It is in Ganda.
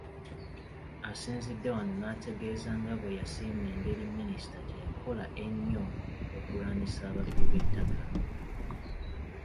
Asinzidde wano n’ategeeza nga bwe yasiima engeri Minisita gye yakola ennyo okulwanyisa ababbi b’ettaka